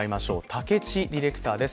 武智ディレクターです。